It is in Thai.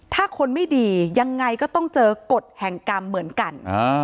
ถ้าคนไม่ดียังไงก็ต้องเจอกฎแห่งกรรมเหมือนกัน